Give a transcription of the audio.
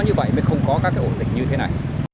hành lang khu vực nhà tăng lễ